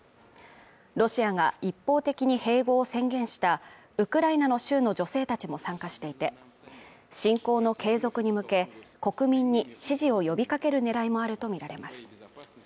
ロシアが一方的に併合を宣言したウクライナの州の女性たちも参加していて侵攻の継続に向け、国民に支持を呼びかける狙いもあるとみられます。